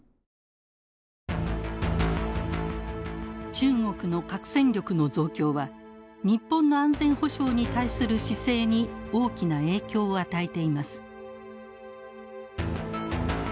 中国の核戦力の増強は日本の安全保障に対する姿勢に大きな影響を与えています。